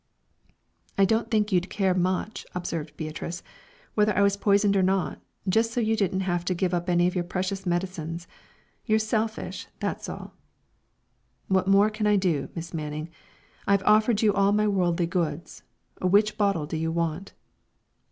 "I don't think you'd care much," observed Beatrice, "whether I was poisoned or not, just so you didn't have to give up any of your precious medicines. You're selfish that's all." "What more can I do, Miss Manning? I've offered you all my worldly goods. Which bottle do you want?"